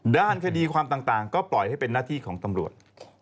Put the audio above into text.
ด้านคดีความต่างก็ปล่อยให้เป็นหน้าที่ของตำรวจ